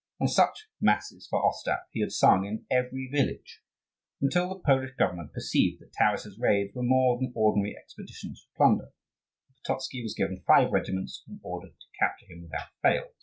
And such masses for Ostap he had sung in every village, until the Polish Government perceived that Taras's raids were more than ordinary expeditions for plunder; and Pototzky was given five regiments, and ordered to capture him without fail.